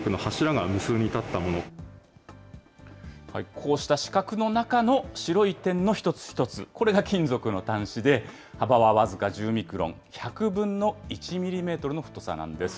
こうした四角の中の白い点の一つ一つ、これが金属の端子で、幅は僅か１０ミクロン、１００分の１ミリメートルの太さなんです。